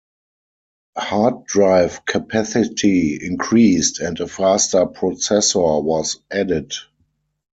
Hard drive capacity increased and a faster processor was added.